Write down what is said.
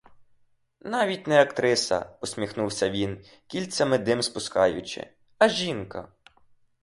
Навіть не актриса, — посміхнувся він, кільцями дим пускаючи, — а жінка?